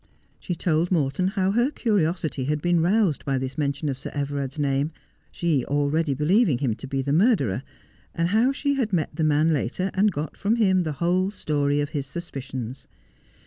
She told Morton how her curiosity had been roused by this mention of Sir Everard's name, she already believing him to be the murderer, and how she had met the man later and got from him the whole story of his suspicions.